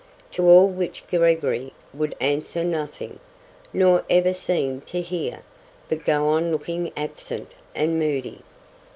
To all which Gregory would answer nothing, nor even seem to hear, but go on looking absent and moody.